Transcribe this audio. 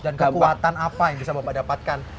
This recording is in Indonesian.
dan kekuatan apa yang bisa bapak dapatkan